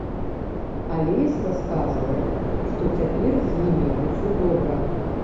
Алесь расказвае, што цяпер з імі ўсё добра.